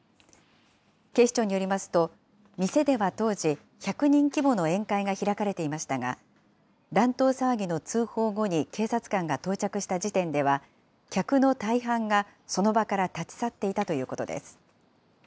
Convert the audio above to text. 警視庁によりますと、店では当時、１００人規模の宴会が開かれていましたが、乱闘騒ぎの通報後に警察官が到着した時点では、客の大半がその場から立ち去っていたということです。